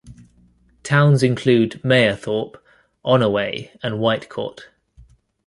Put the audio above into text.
Towns include Mayerthorpe, Onoway and Whitecourt.